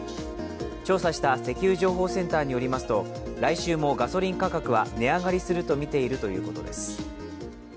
調査した石油情報センターによりますと来週もガソリン価格は値上がりするとみているということです。